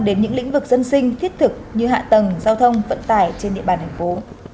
đến những lĩnh vực dân sinh thiết thực như hạ tầng giao thông vận tải trên địa bàn thành phố